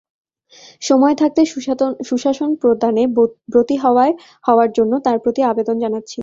সময় থাকতে সুশাসন প্রদানে ব্রতী হওয়ার জন্য তাঁর প্রতি আবেদন জানাচ্ছি।